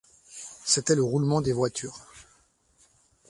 C’était le roulement des voitures.